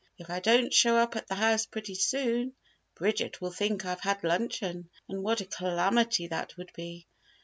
If I don't show up at the house pretty soon, Bridget will think I've had luncheon, and what a calamity that would be!